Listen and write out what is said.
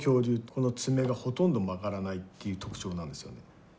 この爪がほとんど曲がらないっていう特徴なんですよね。